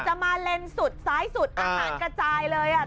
มาเลนสุดซ้ายสุดอาหารกระจายเลยอ่ะ